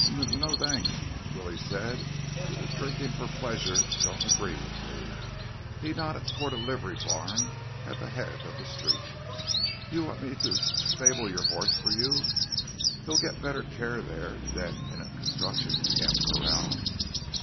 "N no, thanks," Willie said. "D drinking for pleasure don't agree with me." He nodded toward a livery barn at the head of the street. "You want me to s stable your horse for you? He'll get better care there than in a construction camp corral."